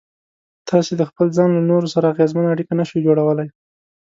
تاسې د خپل ځان له نورو سره اغېزمنه اړيکه نشئ جوړولای.